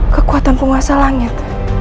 kekuatan penguasa langit